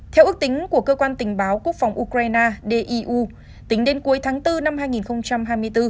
theo ước tính của cơ quan tình báo quốc phòng ukraine d i u tính đến cuối tháng bốn năm hai nghìn hai mươi bốn